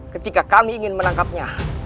ketika kami ingin menangkapnya